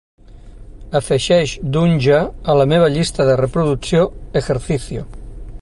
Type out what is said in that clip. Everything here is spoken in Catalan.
Afegeix Dunja a la meva llista de reproducció "ejercicio"